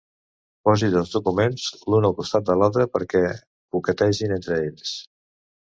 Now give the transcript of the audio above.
Posi dos documents l'un al costat de l'altre perquè coquetegin entre ells.